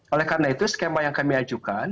oleh karena itu skema yang kami ajukan